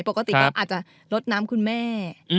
ปกติก็อาจจะลดน้ำคุณแม่